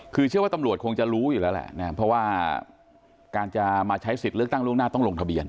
คือเชื่อว่าตำรวจคงจะรู้อยู่แล้วแหละนะเพราะว่าการจะมาใช้สิทธิ์เลือกตั้งล่วงหน้าต้องลงทะเบียน